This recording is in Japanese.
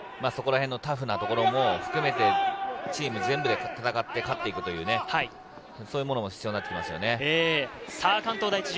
そこら辺のタフなところも含めてチーム全部で戦って勝って行くというね、そういうものも必要になってきます。